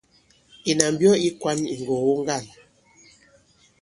Ìnà mbyɔ ì kwany ì ŋgògo ŋgân.